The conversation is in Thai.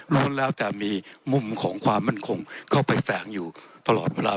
รวมแล้วแต่มีมุมของความมั่นคงเข้าไปแฝงอยู่ตลอดเวลา